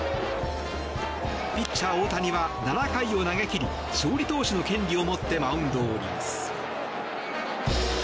ピッチャー大谷は７回を投げ切り勝利投手の権利を持ってマウンドを降ります。